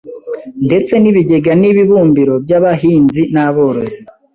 ndetse n’ibigega n’ibibumbiro by’abahinzi n’aborozi